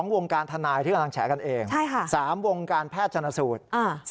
วงการทนายที่กำลังแฉกันเอง๓วงการแพทย์ชนสูตร